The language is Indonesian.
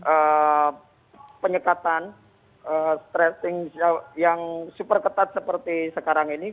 ada penyekatan stressing yang super ketat seperti sekarang ini